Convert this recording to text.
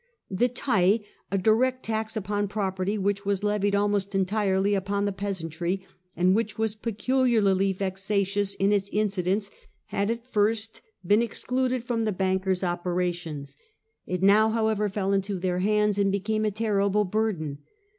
The tattle , a direct tax upon property, which was levied almost entirely upon the peasantry, and which was The taiiu P ecu ^ ar ty vexatious in its incidence, had at first been excluded from the bankers 1 opera tions. It now however fell into their hands, and became a terrible burden.